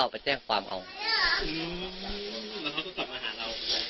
แล้วต้องกลับมาหาธุ์